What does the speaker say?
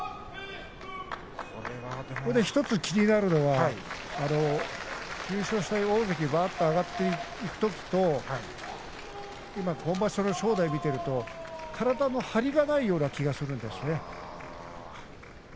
１つ気になるのは大関に上がっていったときと今場所の正代を見ていると体の張りがないような気がするんですね。